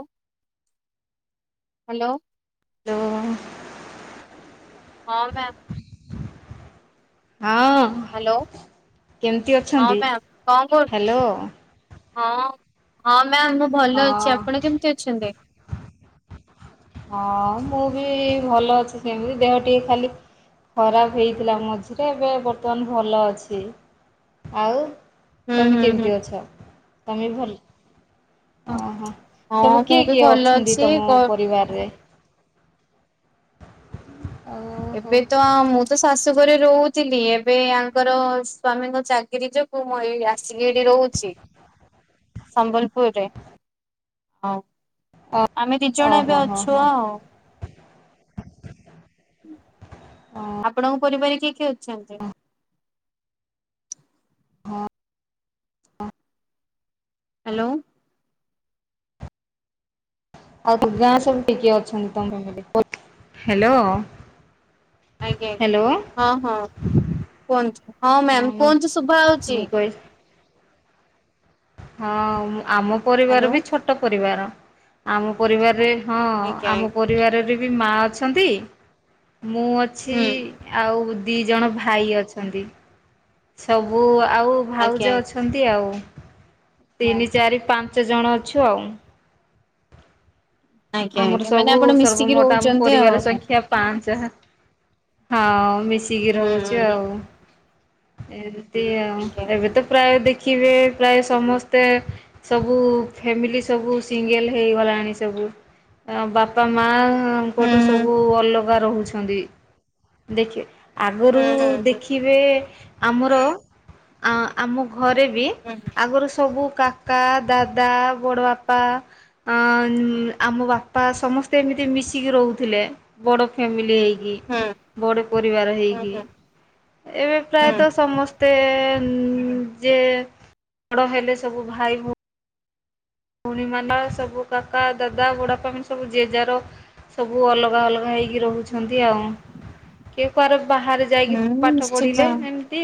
Hello. Hello ହଁ, ma'am. ହଁ, hello କେମତି ହଁ ଅଛନ୍ତି? ମ୍ୟାମ୍ କଣ କରୁ ହ୍ୟାଲୋ। ହଁ, ହଁ। ମ୍ୟାମ୍, ମୁଁ ଭଲ ହଁ ଅଛି। ଆପଣ କେମତି ଅଛନ୍ତି? ହଁ, ମୁଁ ବି ଭଲ ଅଛି ସେମତି, ଦେହ ଟିକେ ଖାଲି ଖରାପ ହେଇଥିଲା ମଝିରେ, ଏବେ ବର୍ତ୍ତମାନ ଭଲ ଅଛି। ଆଉ ହୁଁ ତମେ ହୁଁ ହୁଁ କେମତି ଅଛ? ତମେ ବି ଭଲ ଓହୋ ହଁ ସବୁ ମୁଁ କିଏ ବି କିଏ ଭଲ ଅଛନ୍ତି ଅଛି ତମ କ ପରିବାରରେ? ଓହୋ ଏବେ ତ ମୁଁ ତ ଶାଶୁଘରେ ରହୁଥିଲି ଏବେ ଆୟଙ୍କର ସ୍ଵାମୀଙ୍କ ଚାକିରି ଯୋଗୁ ମୁଁ ଏ ଆସ ଆସିକି ଏଠି ରହୁଚି ସମ୍ବଲପୁରରେ। ହଁ। ଆମେ ଦିଜଣ ଏବେ ଓହୋ ହୋ ଅଛୁ ହୋ ଆଉ। ଆପଣ ପରିବାର ରେ କିଏ କିଏ ଅଛନ୍ତି? ହଁ ହଁ। ହ୍ୟାଲୋ। ଆଉ ଗାଁ ସବୁ କିଏ କିଏ ଅଛନ୍ତି ତମ [unintelligible] ହ୍ୟାଲୋ। ଆଜ୍ଞା ଆଜ୍ଞ ହ୍ୟାଲୋ ହଁ ହଁ କୁହନ୍ତୁ ହଁ ମ୍ୟାାମ କୁହନ୍ତୁ ଶୁଭା ହଉଚି। ମୁଁ କହି ହଁ ମୁଁ ଆମ ପରିବାର ହ୍ୟାଲୋ ବି ଛୋଟ ପରିବାର। ଆମ ପରିବାରରେ ହଁ ଆଜ୍ଞା ଆମ ଆଜ୍ଞା ପରିବାରଟି ବି ମା ଅଛନ୍ତି। ମୁଁ ଅଛି ହୁଁ ଆଉ ଦି ଜଣ ଭାଇ ଅଛନ୍ତି। ସବୁ ଆ ଆଉ ଆଜ୍ଞା ଆଜ୍ଞା ଭାଉଜ ଅଛନ୍ତି ଆଉ। ତିନି ଚାରି ପାଞ୍ଚ ଜଣ ଅଛୁ ଆଉ। ଆଜ୍ଞା ଆମର ଆଜ୍ଞା ମାନେ ସବୁ ଆପଣ ସର୍ବ ମିଶିକି ମୋଟା ଆମ ରହୁଛନ୍ତି ଆଉ। ପରିବାର ସଂଖ୍ୟା ପାଞ୍ଚେ। ହଁ ମି ମିଶିକି ହୁଁ ରହୁଚୁ ହୁଁ ଆଉ। ଏ ରୁ ତି ଆଉ ଆଜ୍ଞା ଏବେ ଆଜ୍ଞା ତ ପ୍ରାୟ ଦେ ଦେଖିଥିବେ ପ୍ରାୟ ସମସ୍ତେ ସବୁ ଫ୍ୟାମିଲି ସବୁ ସିଙ୍ଗେଲ ହେଇଗଲାଣି ସବୁ। ଆ ବାପା ମା ହୁଁ ଆଙ୍କଠୁ ସବୁ ଅଲଗା ଗା ରହୁଛନ୍ତି ଦେଖ ହୁଁ ଆଗରୁ ହୁଁ ହୁଁ ଦେଖିବେ ଆମର ଆ ଆମ ଘରେ ବି ହୁଁ ଆଗରୁ ସବୁ କାକା ଦାଦା ବଡ଼ ବାପା ଆ ଆମ ବାପା ସମସ୍ତେ ଏମିତି ମିଶିକି ରହୁଥିଲେ ବଡ ଫ୍ୟାମିଲି ହେଇକି। ହୁଁ ବଡ ପରିବାର ହୁଁ ହେଇକି ହୁଁ ଏବେ ହୁଁ ପ୍ରାୟତଃ ସମସ୍ତେ ଉଁ ଯେ ବଡ଼ ହେଲେ ସବୁ ଭାଇ ଭଉ ଭଉଣୀ ମାନ ସବୁ କାକା ଦାଦା ବୁଡା ବାପା ମାନେ ସବୁ ଜେଜାର ସବୁ ଅଲଗା ଅଲଗା ହେଇକି ରହୁଛ ଛନ୍ତି ଆଉ କିଏ କୁଆଡେ ବାହାରେ ଯାଇକି ପାଠ ନିଶ୍ଚିତ ପଢିଲେ ଏମିତି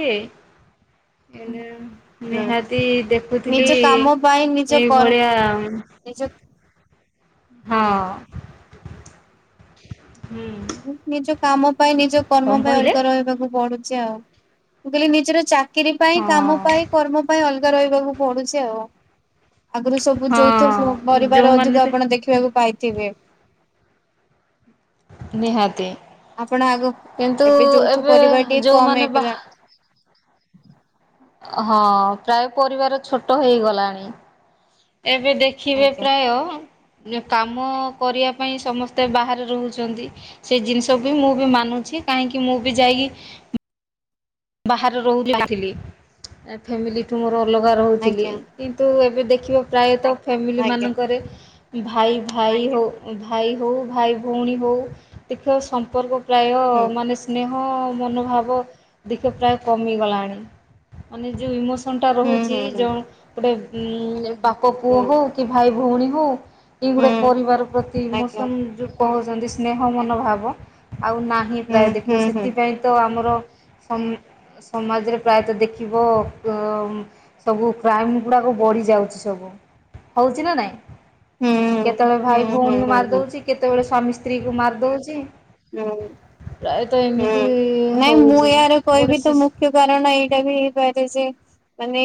ହେଲେ ହୁଁ ନିହାତି ଦେଖୁଥିଲି ନିଜ କାମ ପାଇଁ ନିଜ ଏଇ କର୍ମ ଭଳିଆ ନିଜ ହଁ। ହୁଁ। ନିଜ କାମ ପାଇଁ ନିଜ କର୍ମ କଣ ପାଇଁ କହିଲେ? ଅଲଗା ରହିବାକୁ ପଡୁଛି। ଆଉ ମୁଁ କହିଲି ନିଜର ଚା ଚାକିରି ପାଇଁ କାମ ହଁ ପାଇଁ କର୍ମ ପାଇଁ ଅଲଗା ଏକା ରହିବାକୁ ପଡୁଛି ଆଉ। ଆଗୁରୁ ସବୁ ଯୌଥ ହଁ ପରିବାର ଯୋଉମାନେ ଅଧିକା ତ ଆପଣ ଦେଖିବାକୁ ପାଇବେ- ଥିବେ ନିହାତି। ଆପଣ ଆଗ କିନ୍ତୁ ଏବେ ଯୌଥ ପରିବାର ଟିକେ କମ ଯୋଉମାନେ ବାହା ହେଇଗଲାଣି। ହଁ ପ୍ରାୟ ପରିବାର ଛୋଟ ହେଇଗଲାଣି। ଏବେ ଦେଖିବେ ଆଜ୍ଞା ପ୍ରାୟ କାମ କରିବା ପାଇଁ ସମସ୍ତେ ବାହାରେ ରହୁଛନ୍ତି ସେ ଜିନିଷ ବି ମୁଁ ବି ମାନୁଛି କାହିଁକି ମୁଁ ବି ଯାଇକି ବାହାରେ ରହୁଥିଲି ଫ୍ୟାମିଲିଠୁ ମୋର ଅ ଅଲଗା ରହୁଥିଲି ଆଜ୍ଞା। କିନ୍ତୁ ଏବେ ଦେ ଦେଖିବ ପ୍ରାୟତଃ ଫ୍ୟାମିଲି ଆଜ୍ଞା ମାନଙ୍କରେ ଭାଇ ଭାଇ ହଉ ଭାଇ ହଉ ଭାଇ ଭଉଣୀ ହଉ ଦେଖିବ ସମ୍ପର୍କ ପ୍ରାୟ ହୁଁ ମାନ ସ୍ନେହ ହଁ ମନୋଭାବ ଦେଖେ ପ୍ରାୟ କମିଗଲାଣି ମାନେ ଯେଉଁ ଇମୋସ ସନ ଟା ହୁଁ ରହୁଛି ହୁଁ ହୁଁ ଯେଉଁ ଗୋଟେ ହୁଁ। ବାପ ପୁଅ ହଉ କି ଭାଇ ଭଉଣୀ ହୁଁ ଏ ହୁଁ ଗୋଟେ ହୁଁ ପରିବାର ପ୍ରତି ଆଜ୍ଞା। ଇମୋସନ ଯୋଉ ପହ ଯଦି ସ୍ନେହ ମନୋଭାବ ଆଉ ନାହିଁ ହୁଁ ପ୍ରାୟ ହୁଁ ଦେଖିବ ହୁଁ ସେଥିପାଇଁ ତ ଆମର ସମାଜରେ ପ୍ରାୟତଃ ଦେଖିବ ସବୁ କ୍ରାଇମ ଗୁଡାକ ବଢି ଯାଉଛି ସବୁ ହଉଛି ନା ନାଇଁ। ହୁଁ କେତେବେଳେ ହୁଁ ଭାଇ ହୁଁ ଭଉଣୀଙ୍କୁ ହୁଁ ହୁଁ ମାରି ହୁଁ ଦଉଛି କେତେବେଳେ ସ୍ୱାମୀ ସ୍ତ୍ରୀ କୁ ମାରି ଦଉଛି। ହୁଁ। ପ୍ରାୟତଃ ଏମିତି ନାଇଁ ମୁଁ ହଉଛି। ଏହାର ଗୋଟେ କହିବି ତ ଶିଶୁ ମୁଖ୍ୟ କାରଣ ଏଇଟା ବି ହେଇପାରେ ଯେ ମାନେ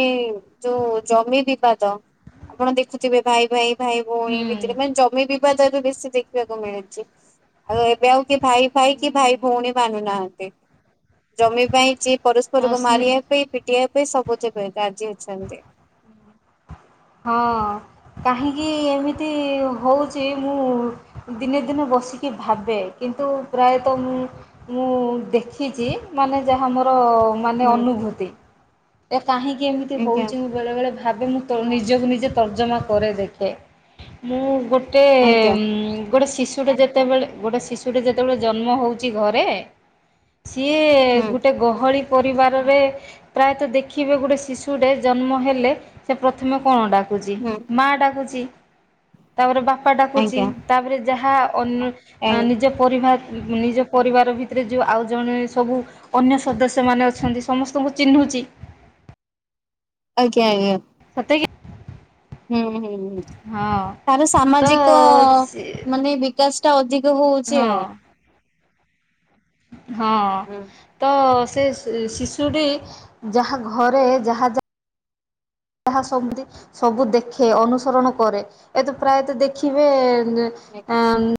ଯୋଉ ଜମି ବିବାଦ ଆପଣ ଦେଖୁଥିବେ ଭାଇ ଭାଇ ଭାଇ ଭଉଣୀ ହୁଁ ଭିତରେ ମାନେ ଜମି ବି ବିବାଦ ବି ବେଶୀ ଦେଖିବାକୁ ମିଳୁଛି ଆଉ ଏ ବେ ଆଉ କି ଭାଇ ଭାଇ ହୁଁ କି ଭାଇ ଭଉଣୀ ମାନୁନାହାନ୍ତି। ଜମି ପାଇଁ ଯିଏ ହଁ ପରସ୍ପରକୁ ସ୍ନେ ମାରିବା ପାଇଁ ପିଟିିବା ଏବେ ସବୁ ଯେବେ ରାଜି ଅଛନ୍ତି। ହଁ କାହିଁକି ଏମିତି ହେଉଛି ମୁଁ ଦିନେ ଦିନେ ବସିକି ଭାବେ କିନ୍ତୁ ପ୍ରାୟତଃ ମୁଁ ମୁଁ ଦେଖିଛି ମାନେ ଯାହା ମୋର ମାନେ ହୁଁ ଅନୁଭୂତି। ଏକ କାହିଁକି ଏମିତି ଆଜ୍ଞା ହଉଛି ମୁଁ ବେଳେବେଳେ ଭାବେ ମୁଁ ନିଜକୁ ନିଜେ ତର୍ଜମା କରେ ଦେଖେ ମୁଁ ଗୋଟେ ଗୋଟେ ଆଜ୍ଞା ହଁ ଗୋଟେ ଶିଶୁ ଶିଶୁଟା ଯେତେବେଳେ ଗୋଟେ ଶିଶୁଟେ ଯେତେବେଳେ ଜନ୍ମ ହଉଛି ଘରେ ସିଏ ହୁଁ। ଗୋଟେ ଗହଳି ପରିବାରରେ ପ୍ରାୟ ମତେ ଦେଖିବେ ଗୋଟେ ଶିଶୁଟେ ଜନ୍ମ ହେଲେ ସେ ପ୍ରଥମେ କଣ ଡାକ କୁଚି ହୁଁ ମା ଡାକୁଛି। ତାପରେ ବାପ୍ ପା ଡାକୁଛି ଆଜ୍ଞା ତାପରେ ଯାହା ଅନୁ ଆଜ୍ଞା ନିଜ ପରିବାର୍ ନିଜ ପରିବାର ଭିତରେ ଯଉ ଆଉ ଜଣେ ସବୁ ଅନ୍ୟ ସଦସ୍ୟମାନେ ଅଛନ୍ତି ସମସ୍ତଙ୍କୁ ଚିହ୍ନୁଚି। ଆଜ୍ଞା ଆଜ୍ଞା। [unintelligible] ହୁଁ ହୁଁ ହୁଁ ହଁ ତାର ତ ସାମାଜିକ ସେ ମାନେ ବିକାଶ୍ ଟା ଅଧିକ ହଉଚି ହଁ ଆଉ ହଁ ହୁଁ ତ ସେ ଶିଶୁଟି ଯାହା ଘରେ ଯାହା ଯା ଯାହା ସବୁ ଦେଖେ ଅନୁସରଣ କରେ ଏତ ପ୍ରାୟତଃ ଦେଖିବେ [unintelligible] ଆଜ୍ଞା। ଏଁ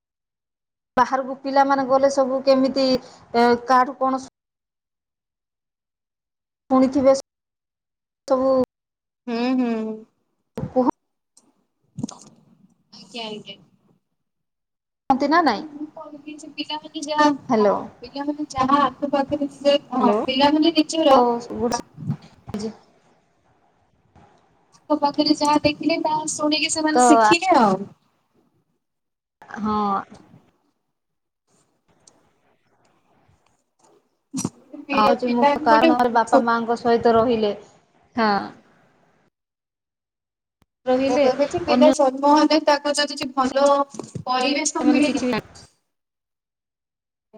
[inaudible] ବାହାରକୁ ପିଲାମାନେ ଗଲେ ସବୁ କେମିତି କାହାଠୁ କଣ ଶୁଣିଥିବେ, ସବୁ ହୁଁ, ହୁଁ। ଉ ହୁ ଆଜ୍ଞା, ଆଜ୍ଞା। କୁହନ୍ତି ନା ନାଇଁ ମୁଁ କହିବି ଯେ ପିଲାମାନେ ଯାହା ହ୍ୟାଲୋ। ହଁ, ପିଲାମାନେ ଯାହା ଆଖ ପାଖରେ ସେ ହଁ, ହ୍ୟାଲୋ। ପିଲାମାନେ ନିଜର ମୋ ପାଖରେ ଯାହା ଦେଖିଲେ, ତାହା ଶୁଣିକି ତ ସେମାନେ ଶିଖିଲେ ଆଉ। ହଁ। ପିଲା ଆଉଚି ପିଲା [unintelligible] ଗୋଟେ କାରଣ ବାପା ମାଙ୍କ ସହିତ ହିତ ରହିଲେ, ହଁ। ମୁଁ ରହିଲେ କହିବି କି ପିଲା ଅନ୍ୟ ଜନ୍ମ ହେଲେ ତାକୁ ଯଦି କିଛି ଭଲ ପରିବେଶ ମାନେ ମିଳିଲା କିଛି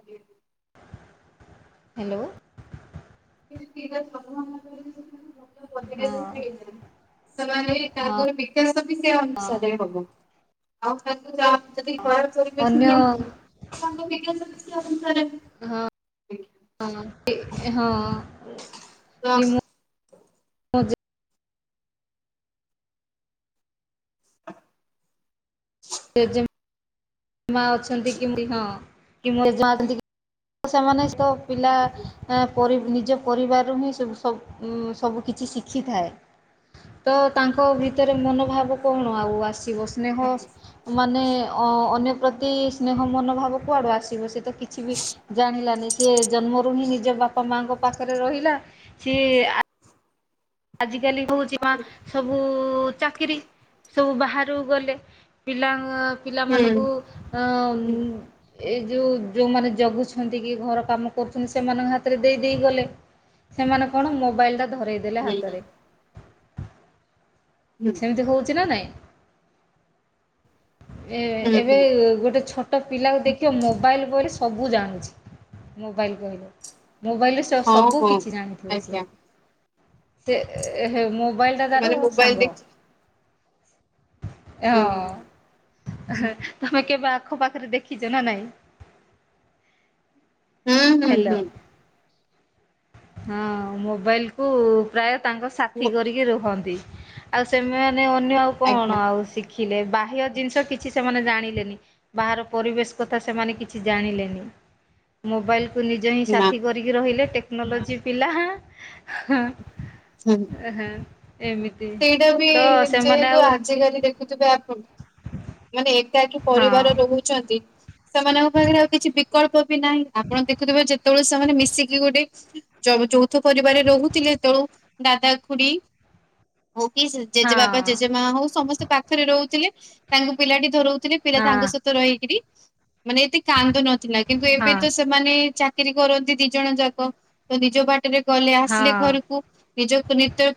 ଆଜ୍ଞା ହ୍ୟାଲୋ [unintelligible] [unintelligible] ହଁ ସେମାନେ ହଁ ତାଙ୍କର ବିକାଶ ବି ସେ ଅନୁସାରେ ହବ। ହଁ ପରା [unintelligible] ଅନ୍ୟ [unintelligible] ଅନୁସାରେ ହଁ [unintelligible] ହଁ [unintelligible] ହଜା ସେଜେମ ମା ଅଛନ୍ତି କିମିତି ହଁ କି [unintelligible] ସେମାନେ ତ ପିଲା ଆଃ ପରି ନିଜ ପରିବାରରୁ ହିଁ ସବୁବୁ ସବୁ କିିଛି ଶିଖିଥାଏ ତ ତାଙ୍କ ଭିତରେ ମନୋଭାବ କଣ ଆଉ ଆସ [unintelligible] ସ୍ନେହ ମାନେ ଅ ଅନ୍ୟ ପ୍ରତି ସ୍ନେହ ମନୋଭାବ କୁଆଡୁ ଆସିବ ସେତ କିଛି ବି ଜାଣିଲାନି ସେ ଜନ୍ମରୁ ହିଁ ନିଜ ବାପା ମାଙ୍କ ପାଖରେ ରହିଲା ସିଏ ଆ ଆଜି ହଉଛି ବା ସବୁ ଚାକିରି ସବୁ ବାହାରକୁ ଗଲେ ପିଲା ହୁଁ ପିଲାମାନଙ୍କୁ ହୁଁ ଏ ଯେଉଁ ଯେଉଁମାନେ ଜଗୁଛନ୍ତି କି ଘର କାମ କରୁଛନ୍ତି ସେମାନଙ୍କ ହାତରେ ଦେଇ ଦେଇେଇ ଗଲେ ସେମାନେ କଣ ମୋବାଇଲଟା ଧରେଇ ଦେଲେ ହାତ ହୁଁ ତରେ ହୁଁ ହୁଁ ସେମିତି ହଉଛି ନା ନାଇଁ। ଏ ଏବେ ହୁଁ ଗୋଟେ ଛୋଟ ଛୋଟ ପିଲାକୁ ଦେଖିବ ମୋବାଇଲ ବ ସବୁ ଜାଣୁଛି ମୋବାଇଲ ବହିଲେ। ମୋବାଇଲରେ ହଁ ସବୁ ହଁ କିିଛି ଜାଣିଥିବ ସିଏ। ଆଜ୍ଞା ସେ ଏ ହେ ମୋବାଇଲ ଟା ତାର ସେମାନେ ମୋବାଇଲ ସାଙ୍ଗ। ଦେଖି ହୁଁ ହଁ। ତମେ କେବେ ଆଖପାଖରେ ଦେଖିଛ ନା ନାଇଁ। ହୁଁ ହୁଁ ହ୍ୟାଲୋ ହୁଁ। ହଁ ମୋବାଇଲ କୁ ପ୍ରାୟ ତାଙ୍କ ସାଥି କରିକି ରୁହନ୍ତି। ଆଉ ସେମାନେ ମାନେ ଅନ୍ୟ ଆଉ କଣ ଆଜ୍ଞା ଆଉ ଶିଖି ଶଖିଲେ ବାହ୍ୟ ଜିନିଷ କିଛି ସେମାନେ ଜାଣିଲେନି ବାହାର ପରିବେଶ କଥା ସେମାନେ କିଛି ଜାଣିଲେନି ମୋବାଇଲ ତୁ ନିଜ ହିଁ ନା ସାଥି କରିକି ରହିଲେ ଟେ ନୋଲଜୀ ପିଲା ହାଁ। ହଁ ଓ ହଁ। ଏମିତି ସେଇଟା ବି ତ ସେମାନେ ଯେହେତୁ ଆଉ ଆଜିକାଲି ଦେଖୁଥିବେ ଆ [unintelligible] ମାନେ ଏକାକି ହଁ ପରିବାର ରହୁଛନ୍ତି। ସେମାନଙ୍କ ପାଖରେ ଆଉ କିଛି ବିକଳ୍ପ ବି ନାହିଁ ଆପଣ ଦେଖୁଥିବେ ଯେତେବେଳେ ସେମାନେ ମିଶିକି ଗୋଟେ ଚ-ଚୌଥ ପରିବାର ରହୁଥିଲେ ତେଳୁ ଦାଦା ଖୁଡି ହଉ କି ଜେଜେବା ହଁ ଜେଜେ ମା ହଉ ସମସ୍ତେ ପାଖରେ ରହୁଥିଲେ। ତାଙ୍କୁ ପିଲାଟି ଧରଉ ଥିଲେ ପିଲା ହଁ ତାଙ୍କ ସହିତ ରହିକରି ମାନେ ଏତେ କାନ୍ଦ ନଥିଲା କିନ୍ତୁ ଏବେ ହଁ ତ ସେମାନେ ଚା ଚାକିରି କରନ୍ତି ଦି ଜଣ ଯାକ ତ ନିଜ ବାଟରେ ଗଲେ ଆସିଲେ ହଁ ଘରକୁ ନିଜକୁ ନିତ୍ୟ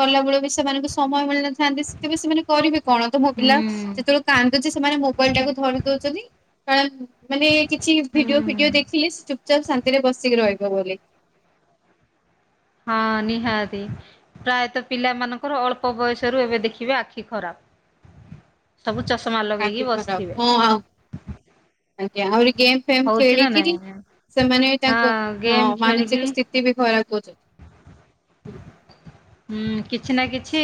କଲାବେଳେ ବି ସେମାନଙ୍କୁ ସମୟ ମିଳି ନ ଥାନ୍ତି ସେଥି ସେମାନେ କରିବେ କଣ ତ ମୋ ହୁଁ ପିଲା ଯେତେବେଳେ କାନ୍ଦୁଛି ସେମାନେ ମୋବାଇଲ ଟାକୁ ଧରି ଦଉଛନ୍ତି। [unintelligible] ମାନେ କିଛି ଭିଡିଓ ଫିଡିଓ ହୁଁ ଦେଖିଲେ ସବ ଶାନ୍ତିରେ ବସିକି ରହିବ ବୋଲି। ହଁ ନିହାତି ପ୍ରାୟତଃ ପିଲା ମାନଙ୍କର ଅଳ୍ପ ବୟସରୁ ଏବେ ଦେଖିବେ ଆଖି ଖରାପ। ସବୁ ଚଷମା ଆଖି ଲଗେଇକି ଖରାପ ବସିଥିବେ। ଆଉଳି ଗେମ୍ ଫେମ ହଉଛି ନା ନାଇଁ? ଖେଳିକରି ଆଜ୍ଞା? ସେମାନେ ବି ହଁ ତାଙ୍କ ଗେମ୍ ଖେଳିକି ମାନସିକ ସ୍ଥିତି ବି ଖରାପ। ଖୋଝ ହଁ। ହଁ କିଛି ନା କିଛି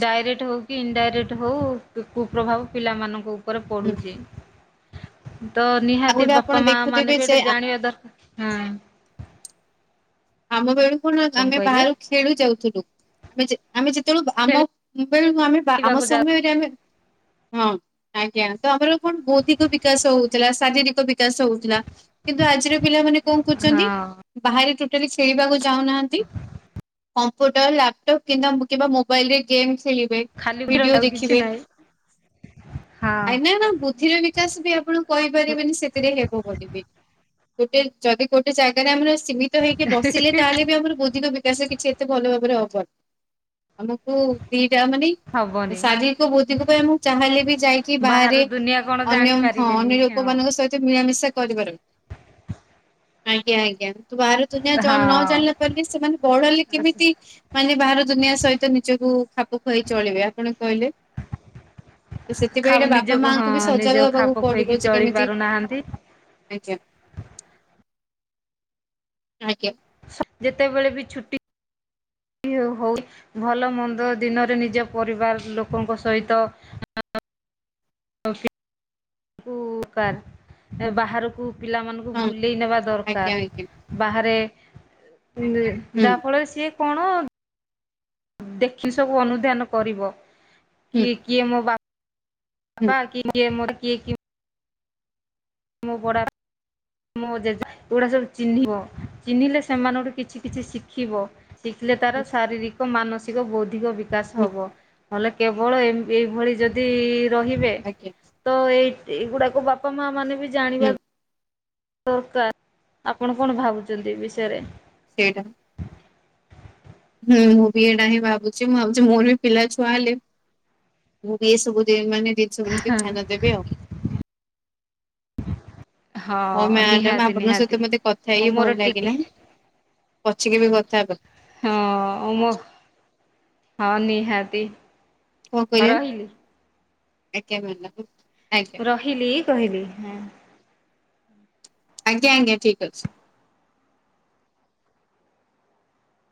ଡାଇରେକ୍ଟ ହଉ କି ଇନଡାଇରେକ୍ଟ ହଉ କୁପ୍ରଭାବ ପିଲାମାନଙ୍କ ଉପରେ ଉପରେ ହୁଁ ପଡ଼ୁଛି। ତ ଆଉ ନିହାତି ଗୋଟେ ଆପଣ ବାପା ମା ମାନେ ଦେଖୁଥିବେ ବି ଏଟେ ଯେ ଜାଣିବା ଦର ହଁ। ଆମ ବେଳୁକୁ ଣ କଣ ଆମେ କହିଲେ? ବାହାରୁ ଖେଳୁ ଯାଉଥିଲୁ। ଆମେ ଜେ ଆମେ ଯେତେବେଳୁ ବା ଆମ ମ୍ ବେଳକୁ ଆମେ ବା ଆମ ଖେଳିବାକୁ ଯାଉ ସମୟରେ ଆମେ ହଁ। ଆଜ୍ଞା ତ ଆମର କଣ ବୌଦ୍ଧିକ ବିକାଶ ହଉଥିଲା ଶାରୀରିକ ବିକାଶ ହଉଥିଲା। କିନ୍ତୁ ଆଜିର ପିଲାମାନେ କଣ କହୁଚନ୍ତି ହଁ ବାହାରେ ଟୋଟାଲୀ ଖେଳିବାକୁ ଯାଉନାହାନ୍ତି କମ୍ପୁଟର ଲାପଟପ୍ କିନ୍ଦା କିବା ମୋବାଇଲ ରେ ଗେମ୍ ଖେଳିବେ ଖାଲି ଭିଡିଓ ଆଉ କିଛି ଦେଖିବେ ନାହିଁ। ହଁ ଆ ନା ନା ବୁଦ୍ଧିର ବିକାଶ ବି ଆପଣ କହିପାରିବେନି ସେଥିରେ ହେବ ବୋଲି ବି। ଗୋଟେ ଯଦି ଗୋଟେ ଜାଗାରେ ଆମର ଆସିବୁ କେ ବସିଲେ ତାହେଲେ ବି ଆମର ବୌଦ୍ଧିକ ବିକାଶ ରେ କିଛି ଏତେ ଭଲ ଭାବରେ ହବ ଚଟ ଆମକୁ ଦିଟା ମାନେ ହବନି। ଶାରୀରିକ ବୌଦ୍ଧିକ ପାଇଁ ଆମକୁ ଯାହା ହେଲେ ବି ଯାଇଁକି ବାହାରେ ବାହାର ଦୁନିଆ କଣ ଅନ୍ୟ ଜାଣି ହଁ ପାରିଲେନି ଅନ୍ୟ ହଁ ଲୋକମାନଙ୍କ ସହିତ ମିଳାମିଶା କରିିବାର ଆଜ୍ଞା ଆଜ୍ଞା ତୁ ବା ଦୁନିଆ ନ ହଁ। ଜାଣିଲା କେମିତି ସେମାନେ ବଢ ହେଲେ କେମିତି ମାନେ ବାହାର ଦୁନିଆ ସହିତ ନିଜକୁ ଖାପ ଖୁଆଇ ଚଳିବେ ଆପଣ କହିଲେ ତ ସେଥିପାଇଁ ଖାଉ ଏଇଟା ବାପା ନିଜକୁ ହଁ ମାଙ୍କୁ ବି ସଜାଗ ନିଜକୁ ହେବାକୁ ଖାପ ଖୁଆଇକି ପଡିବ ଯେ ଚଳି କେମିତି ପାରୁନାହାନ୍ତି। ଆଜ୍ଞା ଆଜ୍ଞା ଯେତେବେଳେ ବି ଛୁଟି- ହଉ ଭଲ ମନ୍ଦ ଦିନରେ ନିଜ ପରିବାର ଲୋକଙ୍କ ସହିତ [unintelligible] [unintelligible] ବାହାରକୁ ପିଲାମାନଙ୍କୁ ହଁ ବୁଲେଇ ନେବା ଆଜ୍ଞା ଦରକାର ଆଜ୍ଞା ବାହାରେ ହୁଁ ହୁଁ ଯାହା ଫଳରେ ସିଏ କଣ ଦେଖି ସବୁ ଅନୁଧ୍ୟାନ କରିବ ହୁଁ କିଏ କିଏ ମୋ ବାପା? ହୁଁ ପାପା କି କିଏ ମୋର କିଏ କି ମୋ ବଡ଼ ମୋ ଜେଜେ ଏଡା ସବୁ ଚିହ୍ନିବ ଚିହ୍ନିଲେ ସେମାନଙ୍କଠୁ କିଛି କିଛି ଶିଖିବ ଶିଖିଲେ ତାର ହୁଁ ଶାରୀରିକ ମାନସିକ ବୌଦ୍ଧିକ ବିକା - ବିକାଶ ହୁଁ ହବ ହେଲେ କେବଳ ଏ ଏଇଭଳି ଯଦି ରହିବେ ଆଜ୍ଞା ତ ଏଇ ଏଇଗୁଡାକ ବାପା ମା ମାନେ ବି ହୁଁ ଜଣିିବା ଦରକାର ଆପଣ କଣ ଭାବୁଛନ୍ତି ବିଷୟରେ ସେଇଟା ହୁଁ ମୁଁ ବି ଏଇଟା ହିଁ ଭାବୁଛି ମୁଁ ଭାବୁଛି ମୋର ବି ପିଲା ଛୁଆ ହେଲେ ମୁଁ ବି ଏ ସବୁ ମାନେ ଜିନିଷ କି ଚାନ୍ଦା ଦେବେ ଆଉ ହଁ ମ୍ୟାଡାମ ନିହାତି ଆପଣଙ୍କ ନିହାତି ସହିତ ମୋତେ କଥା ହଉ ହେଇକି ଭଲ ମୋର ଟିକେ ଲାଗିଲା ପଛିକି ବି କଥା ହେବାକୁ ହଁ ମୁ ହଁ ନିହାତି। ହଁ ରହିଲି। ଆକ୍ୟା କହିଲା ହୁ ରହିଲି କହିଲି ହଁ। ଆଜ୍ଞା ଆଜ୍ଞା ଠିକ୍ ଅଛି।